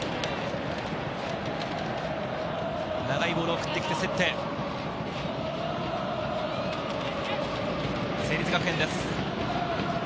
長いボール送ってきて、競って、成立学園です。